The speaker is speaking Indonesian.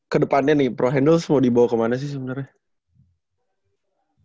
ke depannya nih pro handels mau dibawa kemana sih sebenarnya